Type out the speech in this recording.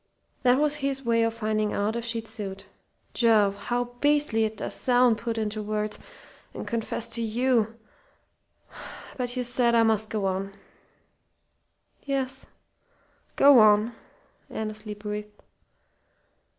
That was his way of finding out if she'd suit. Jove, how beastly it does sound, put into words, and confessed to you! But you said I must go on." "Yes go on," Annesley breathed.